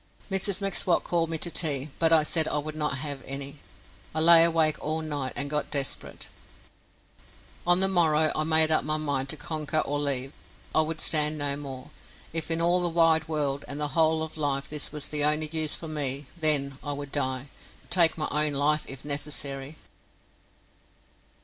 Mrs M'Swat called me to tea, but I said I would not have any. I lay awake all night and got desperate. On the morrow I made up my mind to conquer or leave. I would stand no more. If in all the wide world and the whole of life this was the only use for me, then I would die take my own life if necessary.